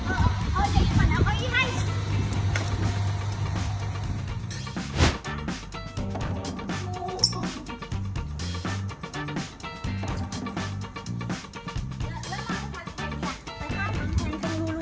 เออเดี๋ยวฉันกำลังเอาเขาอีกให้